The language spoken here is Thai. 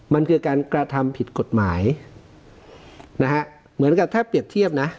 มันคือการกระทำผิดกฎหมายนะฮะเหมือนกับถ้าเปรียบเทียบนะ